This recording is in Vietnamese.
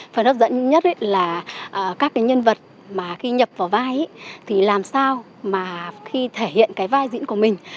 phần hấp dẫn nhất là các cái nhân vật mà khi nhập vào vai thì làm sao mà khi thể hiện cái vai diễn của mình